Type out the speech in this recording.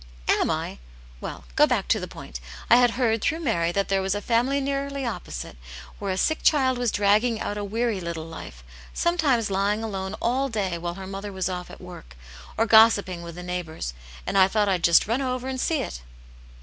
"Am I? Well, go back to the point. I had heard, through Mary, that there was a family nearly opposite, where a sick child was dragging out a weary little life, sometimes lying alone all day while her mother was off at work, or gossiping with the neighbours, and I thought I'd just run over and see it."